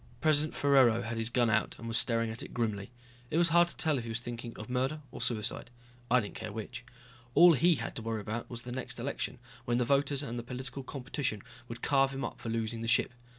President Ferraro had his gun out and was staring at it grimly. It was hard to tell if he was thinking of murder or suicide. I didn't care which. All he had to worry about was the next election, when the voters and the political competition would carve him up for losing the ship.